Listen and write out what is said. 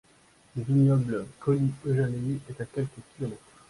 Le vignoble Colli Euganei est à quelques kilomètres.